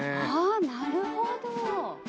あなるほど！